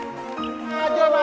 eh makasih wulan